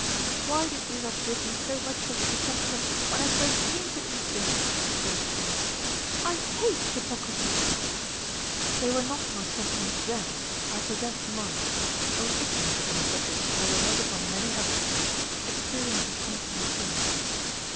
"Why did you not give me so much of your sentiments when I first came to East Lynne?" she burst forth. "I hate hypocrisy." "They were not my sentiments then; I possessed none. I was ignorant upon the subject as I was upon many others. Experience has come to me since."